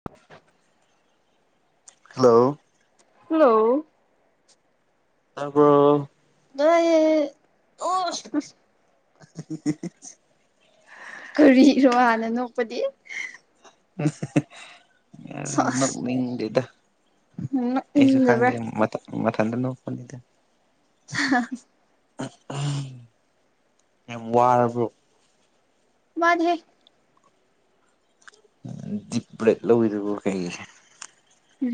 [unintelligible] hello hello ꯇꯥꯕꯔꯣ ꯏ ꯑꯣ [unintelligible] ꯀꯔꯤꯔꯣ ꯍꯥꯟꯅ ꯅꯣꯛꯄꯗꯤ [unintelligible] ꯅꯣꯛꯅꯤꯡꯗꯦꯗ ꯑꯩꯁꯨ ꯈꯪꯗꯦ ꯅꯣꯛꯅꯤꯡꯗꯕ꯭ꯔꯥ ꯃꯇꯝ ꯃꯊꯟꯗꯥ ꯅꯣꯛꯄꯥꯅꯤꯗꯥ [unintelligible] ꯌꯥꯝ ꯋꯥꯔꯕ꯭ꯔꯣ ꯋꯥꯗꯦꯍꯦ ꯗꯤꯄ꯭ꯂꯦꯠ ꯂꯧꯋꯤꯗꯨꯕꯨ ꯀꯩꯒꯤ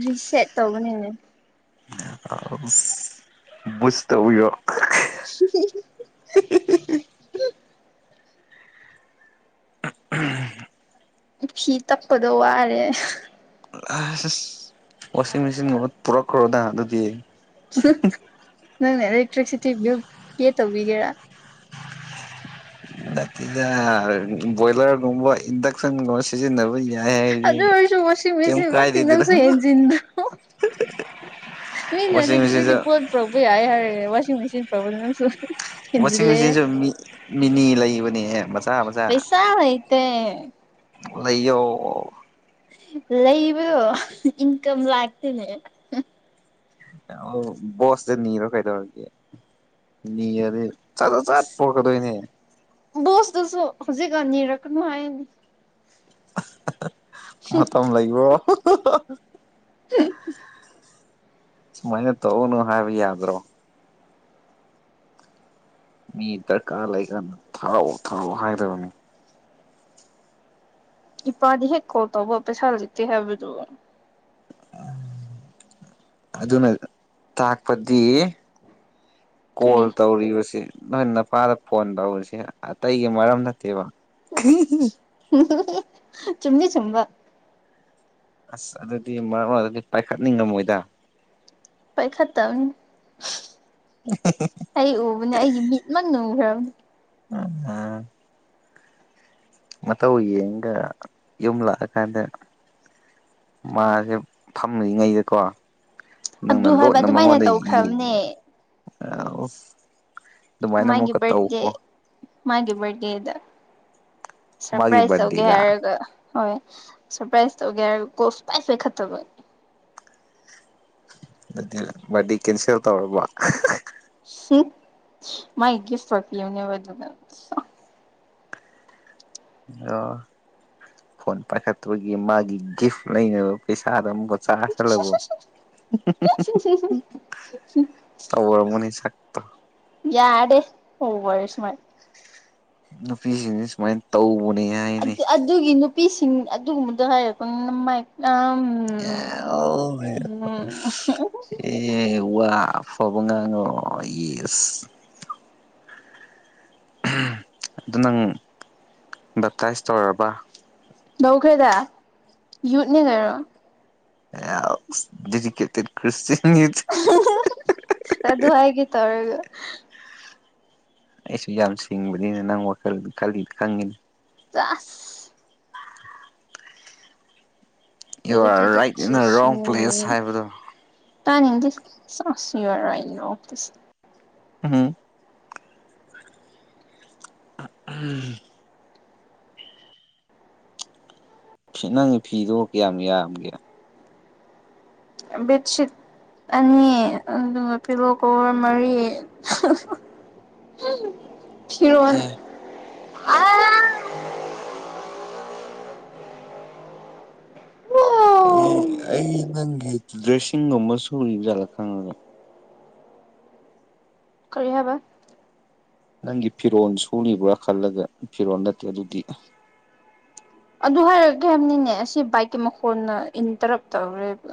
ꯔꯤꯁꯦꯠ ꯇꯧꯕꯅꯤꯅꯦ ꯕꯨꯁ ꯇꯧꯏꯔꯣ [unintelligible] ꯎ ꯎꯝ ꯐꯤ ꯇꯛꯄꯗ ꯋꯥꯔꯦ ꯑꯁ ꯑꯁ ꯋꯥꯁꯤꯡ ꯃꯦꯆꯤꯟꯒꯨꯝꯕ ꯄꯨꯔꯛꯈ꯭ꯔꯣꯗ ꯑꯗꯨꯗꯤ ꯅꯪꯅ ꯑꯦꯂꯦꯛꯇ꯭ꯔꯤꯛꯁꯤꯇꯤ ꯕꯤꯜ ꯄꯦ ꯇꯧꯕꯤꯒꯦꯔꯥ ꯅꯠꯇꯦꯗꯥ ꯕꯣꯏꯂꯔ ꯒꯨꯝꯕꯥ ꯏꯟꯗꯛ- ꯁꯟꯒꯨꯝ ꯁꯤꯖꯤꯟꯅꯕ ꯌꯥꯏ ꯍꯥꯏꯗꯤ ꯑꯗꯨ ꯑꯣꯏꯔꯁꯨ ꯋꯥꯁꯤꯡ ꯃꯦꯆꯤꯟꯃꯛꯇꯤ ꯅꯪꯁꯨ ꯀꯩꯝ꫰ꯀꯥꯏꯗꯦꯗꯅ ꯍꯦꯟꯖꯤꯟꯕ ꯃꯤꯅ ꯏꯂꯦꯛꯇ꯭ꯔꯤꯛꯀꯤ ꯄꯣꯠ ꯄꯨꯔꯛꯄꯥ ꯌꯥꯏ ꯍꯥꯏꯔ ꯋꯥꯁꯤꯡ ꯃꯦꯆꯤꯟ ꯄꯨꯔꯛꯄꯗꯤ ꯅꯪ ꯁꯨ ꯋꯥꯁꯤꯡ ꯃꯦꯆꯤꯟꯁꯨ ꯃꯤ ꯃꯤꯅꯤ ꯂꯩꯕꯅꯦꯍꯦ ꯃꯆꯥ ꯃꯆꯥ ꯄꯩꯁꯥ ꯂꯩꯇꯦ ꯂꯩꯌꯣ ꯂꯩꯕꯗꯣ ꯏꯟꯀꯝ ꯂꯥꯛꯇꯦꯅꯦ ꯕꯣꯁꯇꯥ ꯅꯤꯔꯣ ꯀꯩꯗꯧꯔꯒꯦ ꯅꯤꯔꯗꯤ ꯆꯠ ꯆꯠ ꯆꯠ ꯄꯣꯔꯛꯀꯗꯣꯏꯅꯦ ꯕꯣꯁꯇꯨꯁꯨ ꯍꯧꯖꯤꯛꯀꯥꯟ ꯅꯤꯔꯛꯀꯅꯨ ꯍꯥꯏꯌꯦꯅꯦ ꯃꯇꯝ ꯂꯩꯕꯔꯣ ꯁꯨꯃꯥꯏꯅꯥ ꯇꯧꯋꯨꯅꯨ‌ ꯍꯥꯏꯕ ꯌꯥꯗ꯭ꯔꯣ ꯃꯤ ꯗꯔꯀꯥꯔ ꯂꯩꯀꯥꯟꯗ‌ ꯊꯥꯎꯑꯣ ꯊꯥꯎꯑꯣ ꯍꯥꯏꯗꯕꯅꯤ ꯏꯄꯥꯗꯤ ꯍꯦꯛ ꯀꯣꯜ ꯇꯧꯕ ꯄꯩꯁꯥ ꯂꯩꯇꯦ ꯍꯥꯏꯕꯗꯣ ꯑꯗꯨꯅ ꯇꯥꯛꯄꯗꯤ ꯀꯣꯜ ꯀꯔꯤ ꯇꯧꯔꯤꯕꯁꯦ ꯅꯣꯏ ꯅ- ꯅꯄꯥꯗ ꯐꯣꯟ ꯇꯧꯔꯤꯁꯦ ꯑꯇꯩꯒꯤ ꯃꯔꯝ ꯅꯠꯇꯦꯕ ꯆꯨꯝꯗꯤ ꯆꯨꯝꯕꯥ ꯑꯁ ꯑꯗꯨꯗꯤ ꯃꯔꯛ ꯃꯔꯛꯇꯗꯤ ꯄꯥꯏꯈꯠꯅꯤꯡꯉꯝꯃꯣꯏꯗ ꯄꯥꯏꯈꯠꯇꯝꯅꯦ [unintelligible] ꯑꯩ ꯎꯕꯅꯦ ꯑꯩꯒꯤ ꯃꯤꯠꯃꯛꯅ ꯎꯈ꯭ꯔꯕꯅꯦ ꯎꯝ ꯎꯝ ꯃꯇꯧ ꯌꯦꯡꯉꯒ ꯌꯨꯝ ꯂꯥꯛꯑ ꯀꯥꯟꯗ ꯃꯥꯁꯦ ꯐꯝꯔꯤꯉꯩꯗꯀꯣ ꯑꯗꯨ ꯅꯪꯅ ꯍꯥꯏꯕ ꯂꯣꯠꯅ ꯑꯗꯨꯃꯥꯏꯅ ꯃꯉꯣꯟꯗ ꯌꯦꯡ ꯇꯧꯈ꯭ꯔꯕꯅꯦ ꯑꯁ ꯑꯗꯨꯃꯥꯏꯅ ꯃꯥꯒꯤ ꯑꯃꯨꯛꯀ ꯕꯥꯔꯗꯦ ꯇꯧꯀꯣ ꯃꯥꯒꯤ ꯕꯥꯔꯗꯦꯗ ꯃꯥꯒꯤ ꯁꯔꯄ꯭ꯔꯥꯏꯖ ꯇꯧꯒꯦ ꯕꯥꯔꯗꯦꯗ ꯍꯥꯏꯔꯒ ꯍꯣꯏ ꯁꯔꯄ꯭ꯔꯥꯏꯖ ꯇꯧꯒꯦ ꯍꯥꯏꯔ ꯀꯣꯜ ꯁꯨꯛꯄꯥꯏ ꯄꯥꯏ ꯈꯠꯇꯕ ꯑꯗꯨ ꯕꯥꯔꯗꯦ ꯀꯦꯟꯁꯦꯜ ꯇꯧꯔꯕꯣ ꯁꯤ ꯃꯥꯥꯏ ꯒꯤꯐ [inaudible] ꯑꯣ ꯐꯣꯟ ꯄꯥꯏꯈꯠꯇꯕꯒꯤ ꯃꯥꯒꯤ ꯒꯤꯐ ꯂꯩꯅꯕ ꯄꯩꯁꯥꯗꯣ ꯑꯃꯨꯛꯀ [inaudible] ꯁꯜꯂꯕꯣ ꯇꯧꯔꯝꯒꯅꯤ ꯁꯛ ꯌꯥꯔꯦ ꯑꯣꯕꯔꯁꯃ꯭ꯔꯥꯠ ꯅꯨꯄꯤꯁꯤꯡꯁꯦ ꯁꯨꯃꯥꯏ ꯇꯧꯕꯅꯤꯍꯦ ꯑꯗꯨꯒꯤ ꯅꯨꯄꯤꯁꯤꯡ ꯑꯗꯨꯒꯨꯝꯕꯗꯣ ꯍꯥꯏꯌꯣ ꯅꯃꯥꯏ [inaudible] ꯌꯥꯑꯣ ꯍꯥꯏꯕ ꯎꯝ ꯑꯦ ꯋꯥ ꯐꯕ ꯉꯥꯡꯉꯣ ꯌꯦꯁ ꯑꯗꯨ ꯅꯪ ꯚꯦꯞꯇꯥꯏꯁ ꯇꯧꯔꯕ ꯂꯧꯈ꯭ꯔꯦꯗ ꯌꯨꯠꯅꯤꯅꯔꯣ [inaudible] ꯑꯗꯨꯗꯤ [inaudible] ꯑꯗꯨ ꯍꯥꯏꯒꯦ ꯇꯧꯔꯒ ꯑꯩꯁꯨ ꯌꯥꯝ ꯁꯤꯡꯕꯅꯤꯅ ꯅꯪ ꯋꯥꯈꯜ ꯈꯜꯂꯤ ꯈꯪꯉꯦꯅꯦ ꯆꯥ ꯑꯁ you are educated right and wrong place ꯁꯨꯁꯤꯡ ꯍꯥꯏꯕꯗꯣ ꯇꯥꯅꯤꯡꯗꯦ [inaudible] U are right no please um uh um ꯅꯪꯒꯤ ꯐꯤꯗꯣ ꯀꯌꯥꯝ ꯌꯥꯝꯒꯦ ꯕꯦꯗ ꯁꯤꯠ ꯑꯅꯤ ꯑꯗꯨꯒ ꯄꯤꯂꯣꯀꯣꯕꯔ ꯃꯔꯤ ꯐꯤꯔꯣꯟ ꯑꯦ ꯑꯁ ꯑꯩ ꯑꯩ ꯅꯪꯒꯤ ꯗ꯭ꯔꯦꯁꯁꯤꯡꯒꯨꯝꯕ ꯁꯨꯔꯤꯕ ꯖꯥꯠꯂ ꯈꯟꯂꯒ ꯀꯔꯤ ꯍꯥꯏꯕ ꯅꯪꯒꯤ ꯐꯤꯔꯣꯜ ꯁꯨꯔꯤꯕ꯭ꯔꯥ ꯈꯜꯂꯒ ꯐꯤꯔꯣꯜ ꯅꯠꯇꯦ ꯑꯗꯨꯗꯤ ꯑꯗꯨ ꯍꯥꯏꯔꯛꯀꯦ ꯍꯥꯏꯕꯅꯤꯅꯦ ꯑꯁꯤ ꯕꯥꯏꯛꯀꯤ ꯃꯈꯣꯟꯅ ꯏꯟꯇꯔꯞ ꯇꯧꯔꯦꯕ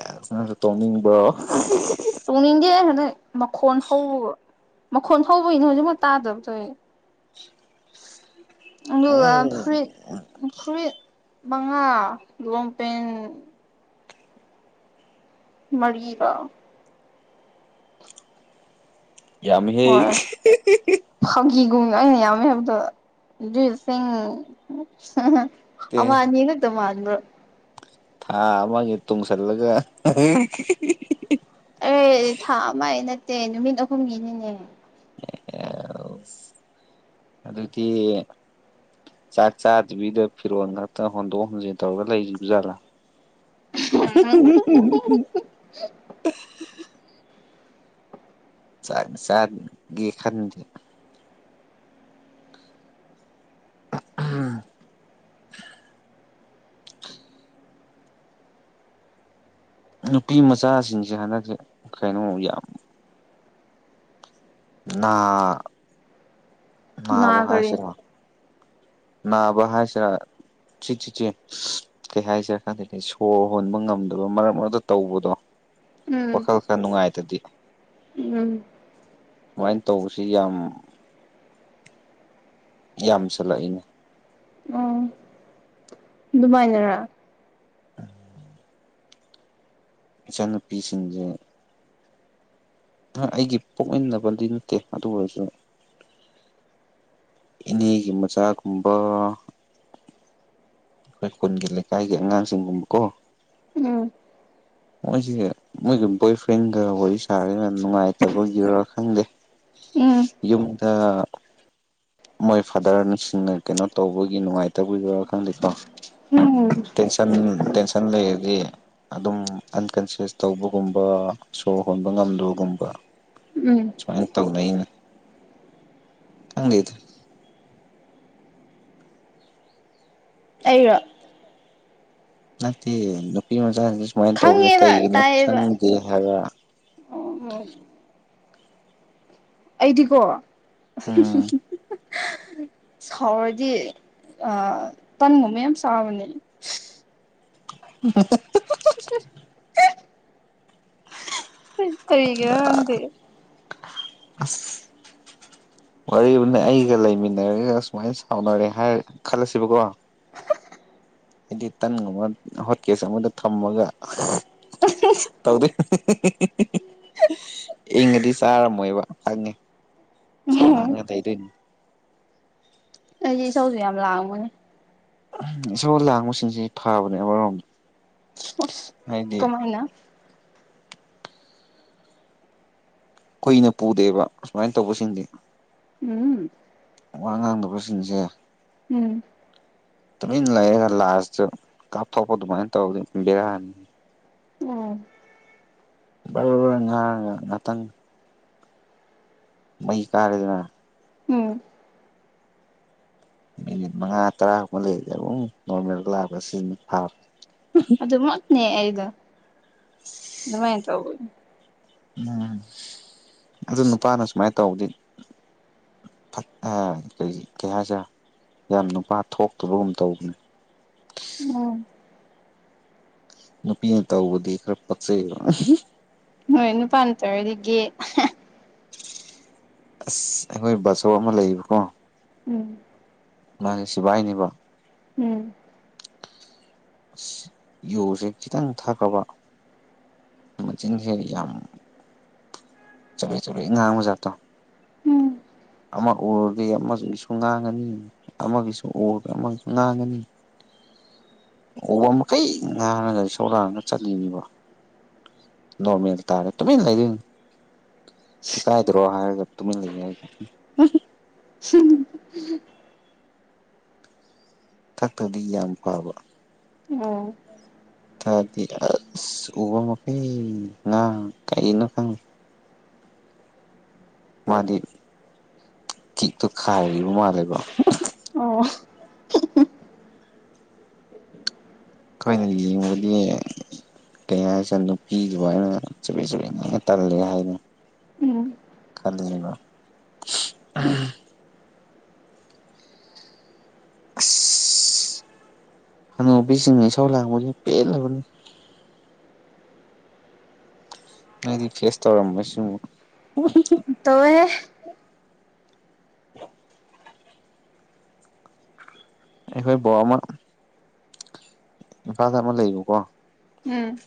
ꯑꯦꯁ ꯅꯪꯁꯨ ꯇꯣꯡꯅꯤꯡꯕ꯭ꯔꯣ ꯇꯣꯡꯅꯤꯡꯗꯦꯗ [inaudible] ꯃꯈꯣꯟ ꯍꯧꯕꯒ ꯃꯈꯣꯟ ꯍꯧꯕꯒꯤꯅꯦ ꯍꯧꯖꯤꯛꯃꯛ ꯇꯥꯗꯕꯗꯣ ꯑꯩ ꯑꯗꯨꯒ ꯎꯝ ꯐꯨꯔꯤꯠ ꯐꯨꯔꯤꯠ ꯃꯉꯥ ꯂꯣꯡꯄꯦꯟꯠ ꯃꯔꯤꯒ ꯌꯥꯝꯃꯤꯍꯦ ꯍꯣꯏ ꯐꯥꯒꯤꯒꯨꯝ ꯑꯩꯅ ꯌꯥꯝꯃꯦ ꯍꯥꯏꯕꯗꯣ [inaudible] ꯇꯦ ꯑꯃ ꯑꯅꯤ ꯈꯛꯇ ꯃꯥꯟꯕ꯭ꯔꯣ ꯊꯥ ꯑꯃꯒꯤ ꯇꯨꯡꯁꯜꯂꯒ ꯑꯩ ꯊꯥ ꯑꯃꯩ ꯅꯠꯇꯦ ꯅꯨꯃꯤꯠ ꯑꯍꯨꯝꯅꯤꯅꯤꯅꯦ ꯑꯦ ꯑꯗꯨꯗꯤ ꯆꯥꯛ ꯆꯥꯗꯕꯤꯗ ꯐꯤꯔꯣꯜ ꯈꯛꯇ ꯍꯣꯟꯗꯣꯛ ꯍꯣꯟꯖꯤꯟ ꯇꯧꯔꯒ ꯂꯩꯔꯤꯕ ꯖꯥꯠꯂꯥ [unintelligible] ꯆꯥꯛ ꯆꯥ ꯒꯦ ꯈꯟꯗꯦ ꯑꯍꯝ ꯅꯨꯄꯤ ꯃꯆꯥꯁꯤꯡꯁꯦ ꯍꯟꯗꯛꯁꯦ ꯀꯩꯅꯣ ꯌꯥꯝ ꯅꯥ ꯅꯥꯕ ꯅꯥꯒꯔꯦ ꯍꯥꯏꯁꯤꯔꯥ ꯅꯥꯕ ꯍꯥꯏꯁꯤꯔꯥ ꯁꯤꯆꯤꯛ ꯆꯤꯛꯑꯦ ꯀꯩ ꯍꯥꯏꯖꯦꯔ ꯈꯪꯗꯦ ꯁꯣꯔ ꯍꯣꯟꯕ ꯉꯝꯗꯕ ꯃꯔꯛ ꯃꯔꯛꯇ ꯇꯧꯕꯗꯣ ꯎꯝ ꯋꯥꯈꯜ ꯈꯔ ꯅꯨꯡꯉꯥꯏꯇꯗꯤ ꯎꯝ ꯁꯨꯃꯥꯏ ꯇꯧꯕꯁꯤ ꯌꯥꯝ ꯌꯥꯝꯁꯜꯂꯛꯏꯅꯦ ꯎꯝ ꯑꯗꯨꯃꯥꯏꯅꯔ ꯏꯆꯥꯅꯨꯄꯤ ꯁꯤꯡꯁꯦ ꯑꯥ ꯑꯩꯒꯤ ꯄꯣꯛꯃꯤꯟꯅꯕꯗꯤ ꯅꯠꯇꯦ ꯑꯗꯨ ꯑꯣꯏꯔꯁꯨ ꯏꯅꯦꯒꯤ ꯃꯆꯥꯒꯨꯝꯕ ꯑꯩꯈꯣꯏ ꯈꯨꯟꯒꯤ ꯂꯩꯀꯥꯏꯒꯤ ꯑꯉꯥꯡꯁꯤꯡꯒꯨꯝꯕꯀꯣ ꯎꯝ ꯃꯣꯏꯁꯦ ꯃꯣꯏꯒ ꯕꯣꯏ ꯐ꯭ꯔꯦꯟꯒ ꯋꯥꯔꯤ ꯁꯥꯔꯒ ꯅꯨꯡꯉꯥꯏꯇꯕꯒꯤꯔ ꯈꯪꯗꯦ ꯎꯝ ꯌꯨꯝꯗ ꯃꯣꯏ ꯐꯥꯗꯔ ꯁꯤꯡꯅ ꯀꯩꯅꯣ ꯇꯧꯕꯒꯤ ꯅꯨꯡꯉꯥꯏꯇꯕꯒꯤꯔꯣ ꯈꯪꯗꯦꯀꯣ ꯎꯝ ꯇꯦꯟꯁꯟ ꯇꯦꯟꯁꯟ ꯂꯩꯔꯗꯤ ꯑꯗꯨꯝ ꯑꯟꯀꯟꯁꯤꯌꯁ ꯇꯧꯕꯒꯨꯝꯕ ꯁꯣꯔ ꯍꯣꯟꯕ ꯉꯝꯗꯕꯒꯨꯝꯕ ꯎꯝ ꯁꯨꯃꯥꯏꯅ ꯇꯧꯅꯩꯅ ꯈꯪꯗꯦꯗ ꯑꯩꯔꯣ ꯅꯠꯇꯦ ꯅꯨꯄꯤ ꯃꯆꯥꯁꯤꯁ ꯁꯨꯃꯥꯏꯅ ꯇꯧꯕꯁꯦ ꯈꯪꯉꯦꯕ ꯀꯩꯒꯤꯅꯣ ꯆꯪꯗꯦ ꯍꯥꯏꯕ ꯑꯣ ꯎꯝ ꯑꯩꯗꯤꯀꯣ ꯎꯝ ꯁꯥꯎꯔꯗꯤ ꯑꯥ ꯇꯟꯒꯨꯝꯕ ꯌꯥꯝ ꯆꯥꯕꯅꯤ [unintelligible] ꯀꯩꯒꯤꯔ ꯈꯪꯗꯦ ꯑꯁ ꯋꯥꯔꯤꯕꯨꯅꯦ ꯑꯩꯒ ꯂꯩꯃꯤꯟꯅꯔꯒ ꯁꯨꯃꯥꯏꯅ ꯁꯥꯎꯅꯔꯦ ꯍꯥꯏꯔ ꯈꯜꯂꯁꯤꯕꯀꯣ ꯍꯥꯏꯗꯤ ꯇꯟꯒꯨꯝꯕ ꯍꯣꯠꯀꯦꯁ ꯑꯃꯗ ꯊꯝꯃꯒ ꯇꯧꯗꯣꯏ [unintelligible] ꯏꯪꯉꯗꯤ ꯆꯥꯔꯝꯃꯣꯏꯕ ꯈꯪꯉꯦ ꯢꯁꯧ ꯂꯥꯡꯉ ꯇꯩꯗꯣꯏꯅꯤ ꯑꯩꯗꯤ ꯏꯁꯧꯁꯨ ꯌꯥꯝ ꯂꯥꯡꯕꯅꯦ ꯏꯁꯧ ꯂꯥꯡꯕꯁꯤꯡꯁꯤ ꯐꯥꯕꯅꯦ ꯑꯃꯔꯣꯝꯗ ꯎꯁ ꯍꯥꯏꯗꯤ ꯀꯃꯥꯏꯅ ꯀꯨꯏꯅ ꯄꯨꯗꯦꯕ ꯑꯁꯨꯃꯥꯏꯅ ꯇꯧꯕꯁꯤꯡꯗꯤ ꯎꯝ ꯋꯥ ꯉꯥꯡꯗꯕꯁꯤꯡꯖꯦ ꯎꯝ ꯇꯨꯃꯤꯟ ꯂꯩꯔ ꯂꯥꯏꯥꯁꯇ ꯀꯥꯞꯊꯣꯛꯄ ꯑꯗꯨꯃꯥꯏꯅ ꯇꯧꯗꯤ ꯕꯤꯔꯅꯤ ꯎꯝ ꯕꯔꯥ ꯕꯔꯥ ꯉꯥꯡꯉꯥ ꯉꯥꯇꯪ ꯃꯩ ꯀꯥꯔꯦꯗꯅ ꯎꯝ ꯃꯤꯅꯤꯠ ꯃꯉꯥ ꯇꯔꯥꯒꯨꯛꯕ ꯂꯩꯗꯤ ꯑꯗꯨꯝ ꯅꯣꯔꯃꯦꯜꯒ ꯂꯥꯛꯑꯄ ꯁꯤꯟꯅ ꯐꯥꯕ ꯑꯗꯨꯃꯛꯅꯦ ꯑꯩꯗꯣ ꯑꯗꯨꯃꯥꯏꯅ ꯇꯧꯕꯅꯦ ꯎꯝ ꯑꯗꯨ ꯑꯁ ꯅꯨꯄꯥꯅ ꯁꯨꯃꯥꯏꯅ ꯇꯧꯗꯤ ꯀꯩ ꯍꯥꯏꯁꯤꯔ ꯌꯥꯝ ꯅꯨꯄꯥ ꯊꯣꯛꯇꯕꯒꯨꯝ ꯇꯧꯕꯅꯤ ꯎꯝ ꯅꯨꯄꯤꯅ ꯇꯧꯕꯗꯤ ꯈꯔ ꯄꯛꯆꯩꯕ ꯅꯣꯏ ꯅꯨꯄꯥꯇꯔꯣꯏꯗꯒꯤ ꯒꯦ ꯑꯁ ꯑꯩꯈꯣꯏ ꯕꯥꯁꯣꯞ ꯑꯃ ꯂꯩꯌꯦꯕꯀꯣ ꯎꯝ ꯃꯥꯒꯤ ꯁꯤꯕꯥꯏꯅꯦꯕꯣ ꯎꯝ ꯑꯁ ꯌꯣꯁꯦ ꯈꯤꯇꯪ ꯊꯛꯈꯔꯕ ꯃꯆꯤꯟꯖꯦ ꯌꯥꯝ ꯆꯕꯦꯠ ꯆꯕꯦꯠ ꯉꯍꯥꯡꯕ ꯖꯥꯠꯇꯣ ꯎꯝ ꯑꯃ ꯎꯔꯗꯤ ꯑꯃꯁꯨꯁꯨ ꯉꯥꯡꯉꯅꯤ ꯑꯃꯒꯤꯁꯨ ꯑꯣꯔꯒ ꯑꯃꯒꯤ ꯉꯥꯡꯒꯅꯤ ꯎꯕ ꯃꯈꯩ ꯉꯍꯥꯟꯅꯒ ꯁꯣꯛꯂꯛꯑꯒ ꯆꯠꯂꯤꯅꯤꯕ ꯅꯣꯔꯃꯦꯜ ꯇꯥꯔꯥ ꯇꯃꯅ ꯂꯩꯗꯨꯏꯅꯤ ꯏꯀꯥꯏꯗ꯭ꯔꯣ ꯍꯥꯏꯔꯒ ꯇꯨꯃꯤꯟ ꯂꯩꯌꫭ ꯍꯥꯏꯌꯦ ꯍꯨꯝ ꯊꯥꯛꯇꯗꯤ ꯌꯥꯝ ꯐꯕ ꯑꫭ ꯊꯥꯛꯑꯗꯤ ꯑꯁ ꯎꯕ ꯃꯈꯩ ꯉꯥꯡ ꯀꯥꯏꯅꯣ ꯈꯪ ꯃꯥꯗꯤ ꯀꯤꯛꯇꯣ ꯈꯥꯏꯔꯤꯕ ꯃꯥꯜꯂꯦꯕ ꯑꯣ ꯈꯣꯏꯅ ꯌꯦꯡꯕꯗꯤ ꯀꯩ ꯍꯥꯏꯁꯤꯔ ꯅꯨꯄꯤꯒꯤ ꯋꯅꯤꯅ ꯆꯥꯕꯦꯡ ꯆꯥꯕꯦꯡ ꯇꯜꯂꯦ ꯍꯥꯏꯅ ꯎꯝ ꯈꯥꯜꯂꯦꯕ ꯑꯁ ꯍꯅꯨꯕꯤꯁꯤꯡꯙ ꯏꯁꯧ ꯂꯥꯡꯕꯁꯦ ꯄꯦꯜꯂꯕꯅꯤ ꯃꯣꯏꯗꯤ ꯐꯦꯁ ꯇꯧꯔꯝꯃꯣꯏ ꯁꯤꯝ ꯇꯧꯋꯦ ꯑꯩꯈꯣꯏ ꯕꯣꯛ ꯑꯃ ꯏꯝꯐꯥꯜꯗ ꯑꯃ ꯂꯩꯌꯦꯕꯀꯣ ꯎꯝ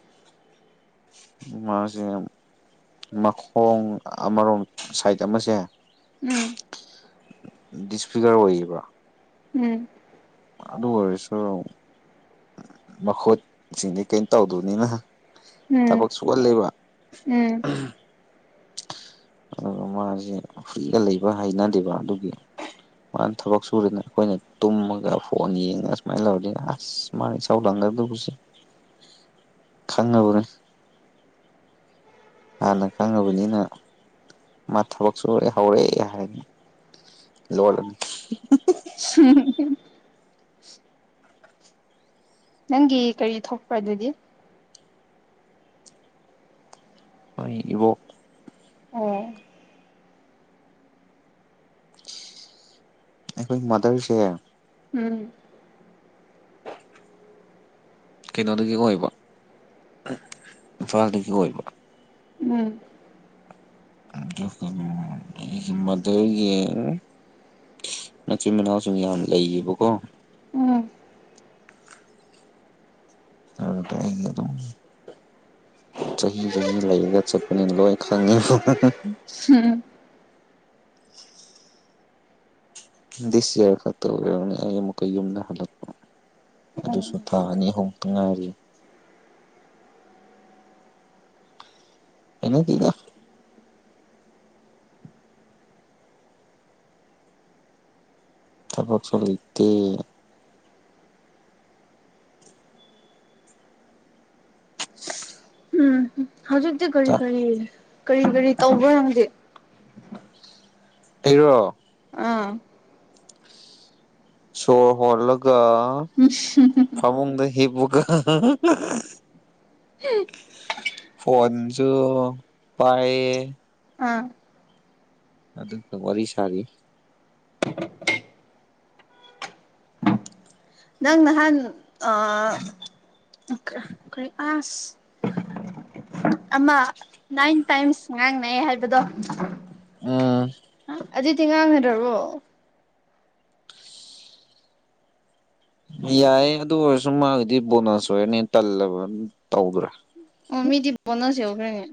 ꯃꯥꯖꯦ ꯃꯈꯣꯡ ꯑꯃꯔꯣꯝ ꯁꯥꯏꯠ ꯑꯃꯁꯦ ꯎꯝ ꯗꯤꯁꯐꯤꯒꯔ ꯑꯣꯏꯔꯤꯕ꯭ꯔꯥ ꯎꯝ ꯑꯗꯨ ꯑꯣꯏꯔꯁꯨ ꯃꯈꯨꯠꯁꯤꯡꯗꯤ ꯀꯩꯝ ꯇꯧꯗꯕꯅꯤꯅ ꯎꯝ ꯊꯕꯛ ꯁꯨꯒꯜꯂꯦꯕ ꯎꯝ ꯑꯗꯨꯒ ꯃꯥꯖꯤ ꯐ꯭ꯔꯤꯗ ꯂꯩꯕ ꯍꯩꯅꯗꯦꯕ ꯑꯗꯨꯒꯤ ꯃꯥꯅ ꯊꯕꯛ ꯁꯨꯔꯅ ꯑꯈꯣꯏꯅ ꯇꯨꯝꯃꯒ ꯐꯣꯟ ꯌꯦꯡꯉ ꯁꯨꯃꯥꯏꯅ ꯇꯧꯔꯗꯤ ꯑꯁ ꯃꯥꯥꯅ ꯏꯁꯧ ꯂꯥꯡꯅꯔꯝꯗꯧꯕꯁꯤ ꯈꯪꯉꯕꯅꯦ ꯍꯥꯟꯅ ꯈꯪꯉꯕꯅꯤꯅ ꯃꯥ ꯊꯕꯛ ꯁꯨꯔꯦ ꯍꯧꯔꯦ ꯍꯥꯏꯔꯅꯤ ꯂꯣꯠꯂꯅꯤ [unintelligible] ꯅꯪꯒꯤ ꯀꯔꯤ ꯊꯣꯛꯄ꯭ꯔꯥ ꯗꯨꯗꯤ ꯑꯩ ꯏꯕꯣꯛ ꯑꯣ ꯑꯩꯈꯣꯏ ꯃꯥꯗꯔꯁꯦ ꯎꯝ ꯀꯩꯅꯣꯗꯒꯤ ꯑꯣꯏꯕ ꯏꯝꯐꯥꯜꯗꯒꯤ ꯑꯣꯏꯕ ꯎꯝ ꯑꯗꯨꯒꯅꯦ ꯑꯩꯒꯤ ꯃꯗꯔꯒꯤ ꯃꯆꯤꯟ ꯃꯅꯥꯎꯁꯤꯡ ꯌꯥꯝ ꯂꯩꯌꯦꯕꯀꯣ ꯎꯝ ꯑꯗꯨꯗ ꯑꯩꯒꯤ ꯑꯗꯨꯝ ꯆꯍꯤ ꯆꯍꯤ ꯂꯩꯔꯒ ꯆꯠꯄꯅꯤꯅ ꯂꯣꯏ ꯈꯪꯉꯦꯕ [unintelligible] ꯗꯤꯁ ꯌꯥꯔ ꯈꯛꯇꯥ ꯑꯣꯏꯔꯝꯒꯅꯤ ꯑꯩ ꯑꯃꯨꯛꯀ ꯌꯨꯝꯗ ꯍꯜꯂꯛꯄ ꯑꯗꯨꯁꯨ ꯊꯥ ꯑꯅꯤꯍꯨꯝ ꯈꯛꯇ ꯉꯥꯏꯔꯤ ꯍꯩꯅꯗꯦꯗ ꯊꯕꯛꯁꯨ ꯂꯩꯇꯦ ꯎꯝ ꯍꯨꯝ ꯍꯧꯖꯤꯛꯇꯤ ꯀꯔꯤ ꯀꯔꯤ ꯀꯔꯤ ꯀꯔꯤ ꯇꯧꯕ꯭ꯔ ꯅꯪꯗꯤ ꯑꯩꯔꯣ ꯑꯥ ꯁꯣꯔ ꯍꯣꯜꯂꯒ [unintelligible] ꯐꯃꯨꯡꯗ ꯍꯤꯞꯄꯒ [unintelligible] ꯐꯣꯟꯖꯨ ꯄꯥꯏꯌꯦ ꯑꯥ ꯑꯗꯨꯒ ꯋꯥꯔꯤ ꯁꯥꯔꯤ ꯅꯪ ꯅꯍꯥꯟ ꯑ [unintelligible] ꯀꯔꯤ ꯑꯥꯁ ꯑꯃ ꯅꯥꯏꯟ ꯇꯥꯏꯝꯁ ꯉꯥꯡꯅꯩ ꯍꯥꯏꯕꯗꯣ ꯎꯝ ꯑꯗꯨꯗꯤ ꯉꯥꯡꯅꯗ꯭ꯔꯕꯣ ꯌꯥꯏꯌꯦ ꯑꯗꯨ ꯑꯣꯏꯔꯁꯨ ꯃꯥꯒꯤꯗꯤ ꯕꯣꯅꯁ ꯑꯣꯏꯔꯅꯦ ꯇꯜꯂꯕ ꯇꯧꯗ꯭ꯔꯦ ꯑꯣ ꯃꯤꯗꯤ ꯕꯣꯅꯁ ꯌꯧꯈ꯭ꯔꯦꯅꯦ